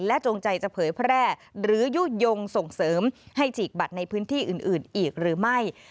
จงใจจะเผยแพร่หรือยุโยงส่งเสริมให้ฉีกบัตรในพื้นที่อื่นอีกหรือไม่